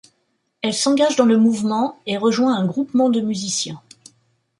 Elle s'engage dans le mouvement, et rejoint un groupement de musiciens.